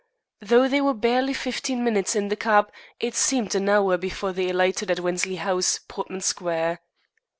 Though they were barely fifteen minutes in the cab, it seemed an hour before they alighted at Wensley House, Portman Square.